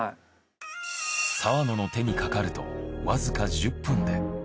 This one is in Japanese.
澤野の手にかかるとわずか１０分で。